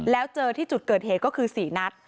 แล้วเจอที่จุดเกิดเหตุก็คือ๔นัด